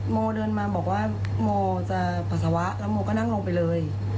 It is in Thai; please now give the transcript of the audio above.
โมเดินมาบอกว่าโมจะปัสสาวะแล้วโมก็นั่งลงไปเลย